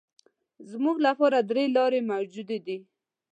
زموږ لپاره درې لارې موجودې دي.